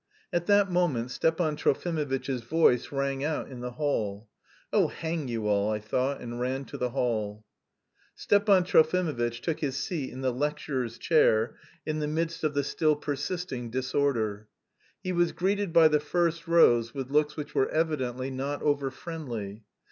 At that moment Stepan Trofimovitch's voice rang out in the hall. "Oh, hang you all," I thought, and ran to the hall. Stepan Trofimovitch took his seat in the lecturer's chair in the midst of the still persisting disorder. He was greeted by the first rows with looks which were evidently not over friendly.